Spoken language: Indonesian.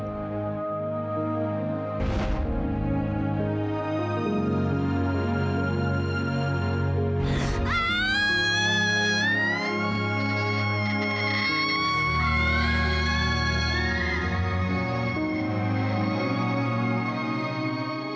tuhan punya sunu